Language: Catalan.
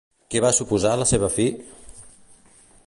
Què va suposar la seva fi?